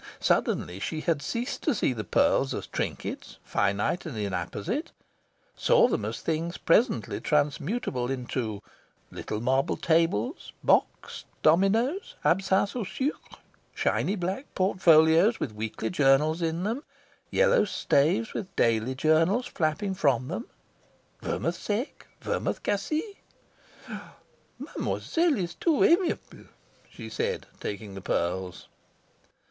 Suddenly she had ceased to see the pearls as trinkets finite and inapposite saw them as things presently transmutable into little marble tables, bocks, dominos, absinthes au sucre, shiny black portfolios with weekly journals in them, yellow staves with daily journals flapping from them, vermouths secs, vermouths cassis... "Mademoiselle is too amiable," she said, taking the pearls.